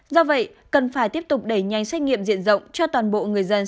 do vậy cần phải tiếp tục đẩy nhanh xét nghiệm diện rộng cho toàn bộ người dân